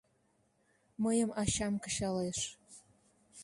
Мыйым ачам кычалеш.